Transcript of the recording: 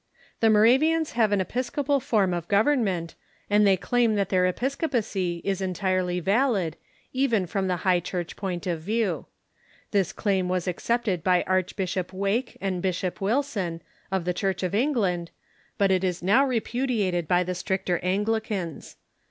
The INIoravians have an episcopal form of government, and they claim that their episcopacy is entirely valid, even from the Iligh Church point of view. This claim was accepted by Archbishop Wake and Bishop Wilson, of the Church of England, but it is now repudiated by the stricter Anglicans.